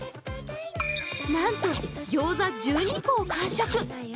なんとギョーザ１２個を完食。